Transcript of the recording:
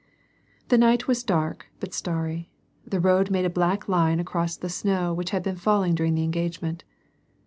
The night was dark, but starry ; the road made a black line across the snow which had been falling during the engagement.